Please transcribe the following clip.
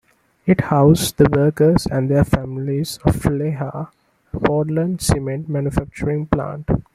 It housed the workers and their families of Lehigh, a Portland cement manufacturing plant.